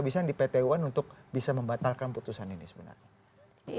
bisa bisa dipetewan untuk bisa membatalkan putusan ini sebenarnya